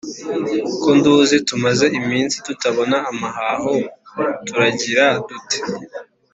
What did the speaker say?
ko nduzi tumaze iminsi tutabona amahaho turagira dute?